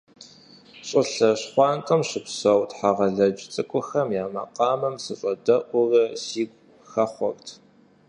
ЩӀылъэ щхъуантӀэм щыпсэу тхьэгъэлэдж цӀыкӀухэм я макъамэм сыщӀэдэӀуурэ сигу хэхъуэрт.